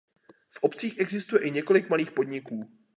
V obcích existuje i několik malých podniků.